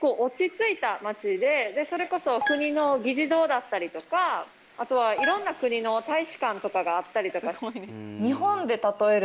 それこそ国の議事堂だったりとかあとはいろんな国の大使館とかがあったりとか。